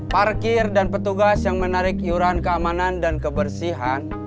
parkir dan petugas yang menarik iuran keamanan dan kebersihan